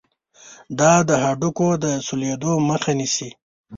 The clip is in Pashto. دا د هډوکو د سولیدلو مخه نیسي.